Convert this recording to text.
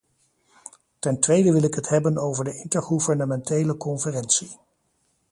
Ten tweede wil ik het hebben over de intergouvernementele conferentie.